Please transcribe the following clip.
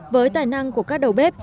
với tài năng của các đầu bếp